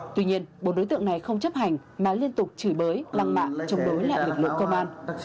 tuy nhiên bốn đối tượng này không chấp hành mà liên tục chửi bới lăng mạ chống đối lại lực lượng công an